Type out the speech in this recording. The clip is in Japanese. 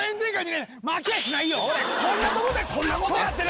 こんなとこでこんな事やってる。